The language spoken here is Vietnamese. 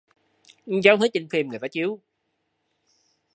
cháu thấy trên phim người ta chiếu